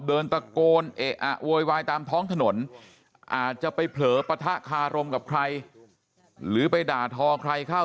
เดินตะโกนเอะอะโวยวายตามท้องถนนอาจจะไปเผลอปะทะคารมกับใครหรือไปด่าทอใครเข้า